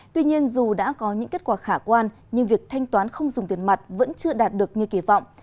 tuy nhiên dù đã có những kết quả khả quan nhưng việc thanh toán không dùng tiền mặt vẫn chưa đạt được như kỳ vọng